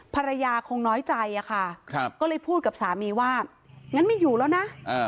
ภรรยาคงน้อยใจอะค่ะก็เลยพูดกับสามีว่างั้นไม่อยู่แล้วนะ